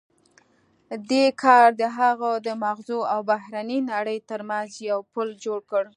دې کار د هغه د ماغزو او بهرنۍ نړۍ ترمنځ یو پُل جوړ کړ